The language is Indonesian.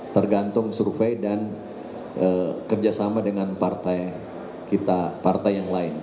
tergantung survei dan kerjasama dengan partai kita partai yang lain